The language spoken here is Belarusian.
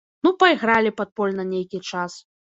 Ну пайгралі падпольна нейкі час.